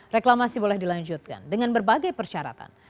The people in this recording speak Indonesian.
reklamasi boleh dilanjutkan dengan berbagai persyaratan